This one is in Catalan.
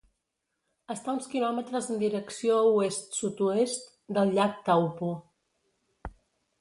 Està uns quilòmetres en direcció oest-sud-oest del Llac Taupo.